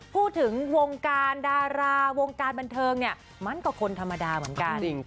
พูดถึงวงการดาราวงการบันเทิงเนี่ยมันก็คนธรรมดาเหมือนกัน